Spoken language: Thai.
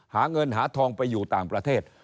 หาเงินหาทองไปอยู่ต่างประเทศ